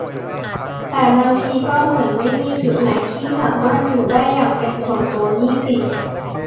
แต่บางทีก็เหมือนไม่มีจุดไหนให้สามารถอยู่ได้อย่างเป็นส่วนตัวนี่สิ